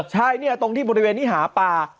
ใช่ตรงที่บริเวณที่หาปลา